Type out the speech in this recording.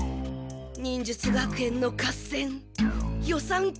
忍術学園の合戦予算会議が。